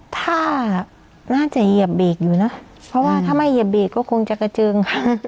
ถ้าน่าจะเหยียบเบรกอยู่นะเพราะว่าถ้าไม่เหยียบเบรกก็คงจะกระเจิง